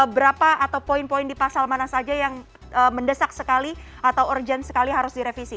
berapa atau poin poin di pasal mana saja yang mendesak sekali atau urgent sekali harus direvisi